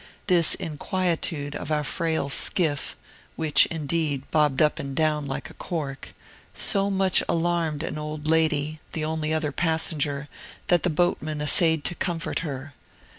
This inquietude of our frail skiff (which, indeed, bobbed up and down like a cork) so much alarmed an old lady, the only other passenger, that the boatmen essayed to comfort her.